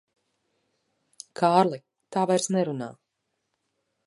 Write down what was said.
Kārli, tā vairs nerunā.